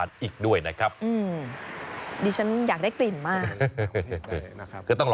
มีกลิ่นหอมกว่า